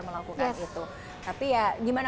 melakukan itu tapi ya gimana